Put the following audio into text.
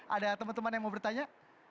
ada teman teman yang mau bertanya